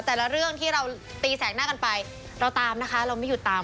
แต่ละเรื่องที่เราตีแสกหน้ากันไปเราตามนะคะเราไม่หยุดตาม